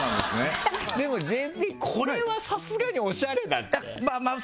でも、ＪＰこれはさすがにおしゃれだって。